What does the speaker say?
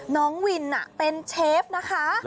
น้องวินเป็นเชฟนะคะ